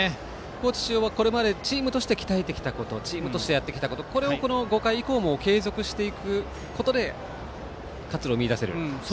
高知中央はチームとして鍛えてきたことチームとしてやってきたことをこれを５回以降も継続していくことで活路を見いだせる。